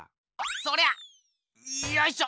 そりゃよいしょ。